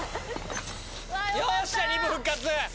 よっしゃ丹生復活！